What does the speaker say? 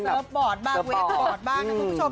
เซอร์ฟบอร์ดบ้างวีนเซอร์ฟบอร์ดบ้างนะคุณผู้ชม